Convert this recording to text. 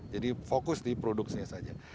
jadi fokus di produksinya saja